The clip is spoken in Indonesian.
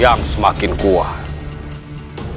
yang semakin kuat